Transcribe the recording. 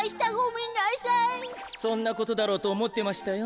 そんなことだろうとおもってましたよ。